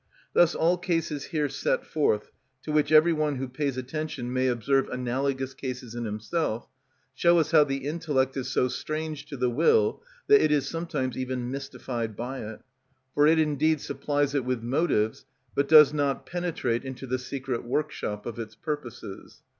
Thus all cases here set forth, to which every one who pays attention may observe analogous cases in himself, show us how the intellect is so strange to the will that it is sometimes even mystified by it: for it indeed supplies it with motives, but does not penetrate into the secret workshop of its purposes.